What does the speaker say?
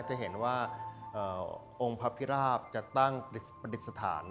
จะเห็นว่าองค์พระภิราพจะตั้งปฏิสถาน